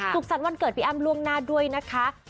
สรรค์วันเกิดพี่อ้ำล่วงหน้าด้วยนะคะ